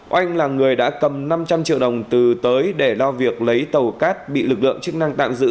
oanh là người đã cầm năm trăm linh triệu đồng từ tới để lo việc lấy tàu cát bị lực lượng chức năng tạm giữ